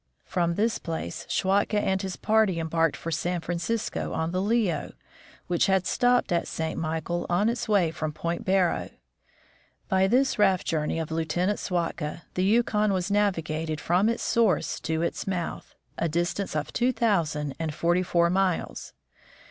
From this place Schwatka and his party embarked for San Francisco on the Leo, which had stopped at St. Michael on its way from Point Barrow. By this raft journey of Lieutenant Schwatka, the Yukon was navigated from its source to its mouth, a distance of two thousand and forty four miles.